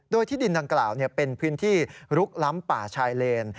โดยที่ดินดังกล่าวเป็นพื้นที่ลุกล้ำป่าชายเลน